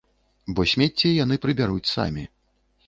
Бо смецце яны прыбяруць самі.